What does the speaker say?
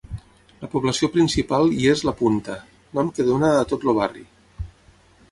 La població principal hi és la Punta, nom que dóna a tot el barri.